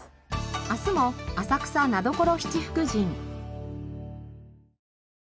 明日も浅草名所七福神。